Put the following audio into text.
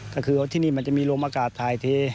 ก็คือที่นี่มันจะมีโรงอากาศทายเท